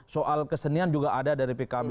soal kesenian juga ada dari pkb